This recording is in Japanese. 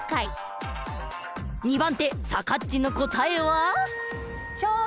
２番手さかっちの答えは？